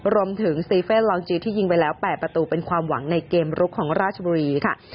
รวมถึงซีเฟ่นลองจีที่ยิงไปแล้ว๘ประตูเป็นความหวังในเกมรุกของราชบุรีค่ะ